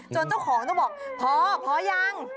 เจ้าของต้องบอกพอพอยัง